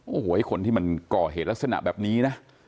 โอ้โหไอ้คนที่มันก่อเหตุลักษณะแบบนี้นะ